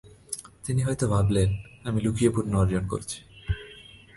তিনি হয়তো ভাবলেন, আমি লুকিয়ে পুণ্য অর্জন করছি।